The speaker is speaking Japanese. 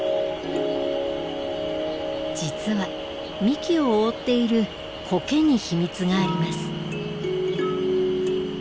実は幹を覆っているコケに秘密があります。